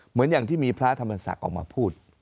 เหมือนอย่างที่มีพระธรรมศักดิ์ออกมาพูด